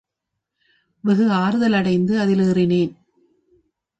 வெகு ஆறுதலடைந்து அதில் ஏறினேன்.